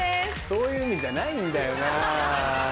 そういう意味じゃないんだよなぁ。